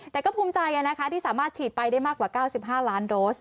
แต่ก็ภูมิใจที่สามารถฉีดไปได้มากกว่า๙๕ล้านโดส